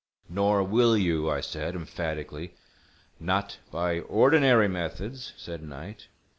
"—Nor will you," I said, emphatically. "Not by ordinary methods," said Knight.